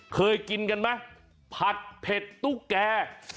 เคยกินกันไหมผัดเผ็ดตุ๊กแก่